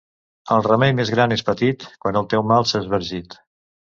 El remei més gran és petit quan el teu mal s'ha esbargit.